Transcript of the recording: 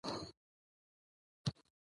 د افغانستان په منظره کې لوگر ښکاره ده.